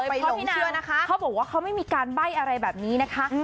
เพราะพี่นานะคะเขาบอกว่าเขาไม่มีการใบ้อะไรแบบนี้นะคะ